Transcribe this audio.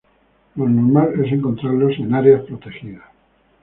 Lo normal es encontrarlos en áreas protegidas.